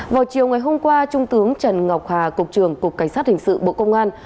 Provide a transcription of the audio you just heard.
vào chiều ngày hôm qua trung tướng trần ngọc hà cục trưởng cục cảnh sát hình sự bộ công an